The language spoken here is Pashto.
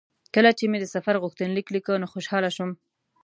کله چې مې د سفر غوښتنلیک لیکه نو خوشاله شوم.